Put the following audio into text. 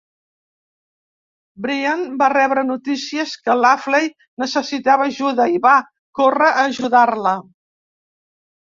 "Bryant" va rebre notícies què "Laffey" necessitava ajuda, i va córrer a ajudar-la.